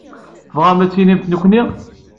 Tebɣamt ad d-tinimt nekkni?